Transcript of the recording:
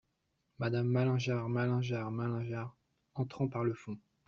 Madame Malingear, Malingear Malingear , entrant par le fond.